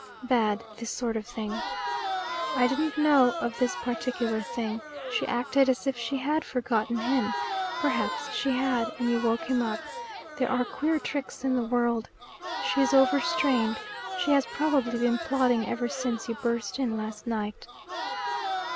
"Bad, this sort of thing." "I didn't know of this particular thing. She acted as if she had forgotten him. Perhaps she had, and you woke him up. There are queer tricks in the world. She is overstrained. She has probably been plotting ever since you burst in last night."